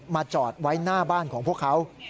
จอดไว้หน้าบ้านของพวกเขา